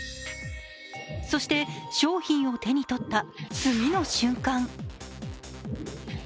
そして商品を手に取った次の瞬間。